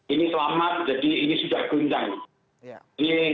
ini selamat jadi ini sudah guncang